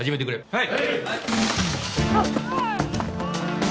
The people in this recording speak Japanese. はい！